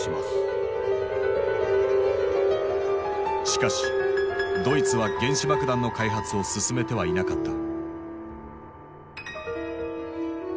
しかしドイツは原子爆弾の開発を進めてはいなかった。